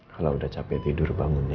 kalau udah capek tidur bangun ya